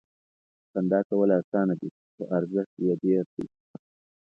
• خندا کول اسانه دي، خو ارزښت یې ډېر دی.